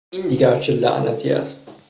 این دیگر چه لعنتی است؟